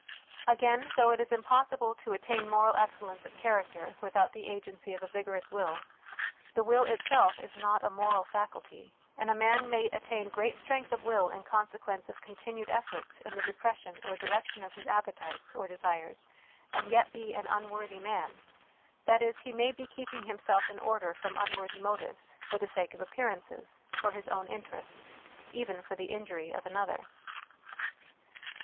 Again, though it is impossible to attain moral excellence of character without the agency of a vigorous will, the will itself is not a moral faculty, and a man may attain great strength of will in consequence of continued efforts in the repression or direction of his appetites or desires, and yet be an unworthy man ; that is, he may be keeping himself in order from unworthy motives, for the sake of appearances, for his own interest, even for the injury of another.